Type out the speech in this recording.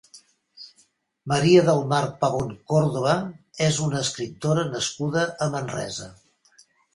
Maria del Mar Pavón Córdoba és una escriptora nascuda a Manresa.